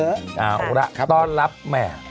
เอาล่ะต้อนรับแม่